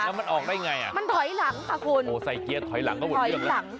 แล้วมันออกได้อย่างไรอ่ะโอ้วไซส์เกี๊ยร์ถอยหลังก็หมดเรื่องแล้ว